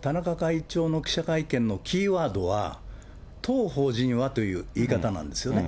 田中会長の記者会見のキーワードは、当法人はという言い方なんですよね。